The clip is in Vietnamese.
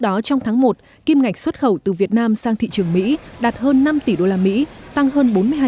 đó trong tháng một kim ngạch xuất khẩu từ việt nam sang thị trường mỹ đạt hơn năm tỷ usd tăng hơn bốn mươi hai